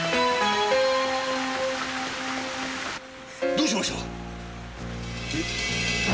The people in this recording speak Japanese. どうしました？え？